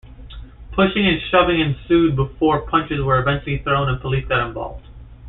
Pushing and shoving ensued, before punches were eventually thrown and police got involved.